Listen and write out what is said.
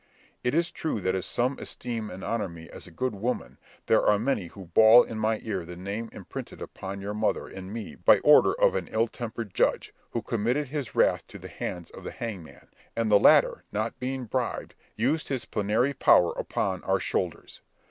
It is true that if some esteem and honour me as a good woman, there are many who bawl in my ear the name imprinted upon your mother and me by order of an ill tempered judge, who committed his wrath to the hands of the hangman; and the latter, not being bribed, used his plenary power upon our shoulders.